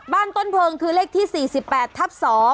ต้นเพลิงคือเลขที่๔๘ทับ๒